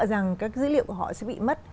rằng các dữ liệu của họ sẽ bị mất